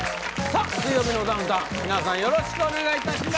さっ「水曜日のダウンタウン」皆さんよろしくお願いいたします